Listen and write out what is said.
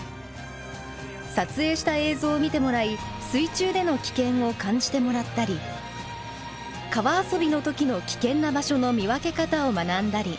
撮影した映像を見てもらい水中での危険を感じてもらったり川遊びの時の危険な場所の見分け方を学んだり。